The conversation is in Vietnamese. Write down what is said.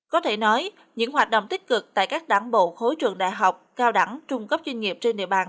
có thể nói những hoạt động tích cực tại các đảng bộ khối trường đại học cao đẳng trung cấp chuyên nghiệp trên địa bàn